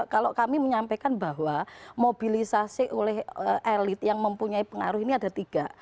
kalau kami menyampaikan bahwa mobilisasi oleh elit yang mempunyai pengaruh ini ada tiga